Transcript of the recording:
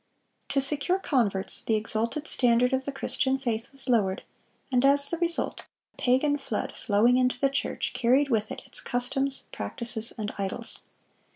(635) To secure converts, the exalted standard of the Christian faith was lowered, and as the result "a pagan flood, flowing into the church, carried with it its customs, practices, and idols."